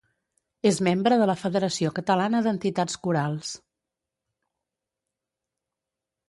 És membre de la Federació Catalana d’Entitats Corals.